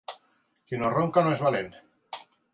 Qui no ronca no és valent.